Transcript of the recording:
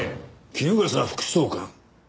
衣笠副総監。